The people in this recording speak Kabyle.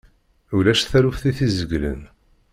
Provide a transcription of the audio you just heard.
Ulac taluft i t-izegglen.